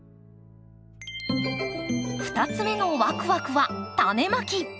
２つ目のワクワクはタネまき！